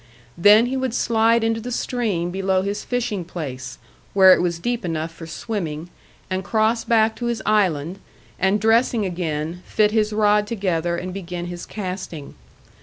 Then he would slide into the stream below his fishing place, where it was deep enough for swimming, and cross back to his island, and dressing again, fit his rod together and begin his casting.